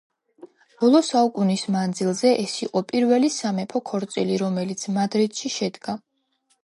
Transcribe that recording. ბოლო საუკუნის მანძილზე ეს იყო პირველი სამეფო ქორწილი რომელიც მადრიდში შედგა.